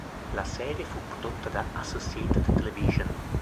La serie fu prodotta da Associated Television.